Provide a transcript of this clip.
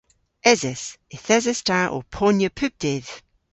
Eses. Yth eses ta ow ponya pub dydh.